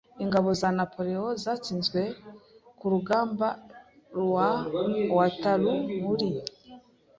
Ingabo za Napoleon zatsinzwe ku rugamba rwa Waterloo muri